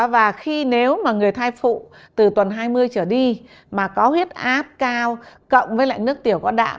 và khi nếu mà người thai phụ từ tuần hai mươi trở đi mà có huyết áp cao cộng với lại nước tiểu có đạo